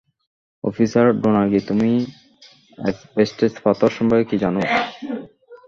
Officer Donaghy, তুমি asbestos পাথর সম্পর্কে কী জানো?